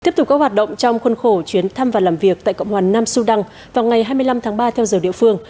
tiếp tục các hoạt động trong khuôn khổ chuyến thăm và làm việc tại cộng hòa nam sudan vào ngày hai mươi năm tháng ba theo giờ địa phương